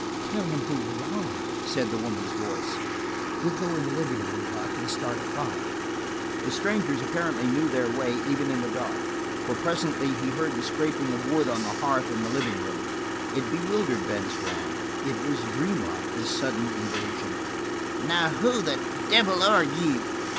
"Tell him who we are," said the woman's voice. "We'll go to the living room, Buck, and start a fire." The strangers apparently knew their way even in the dark, for presently he heard the scraping of wood on the hearth in the living room. It bewildered Ben Swann. It was dream like, this sudden invasion. "Now, who the devil are you?"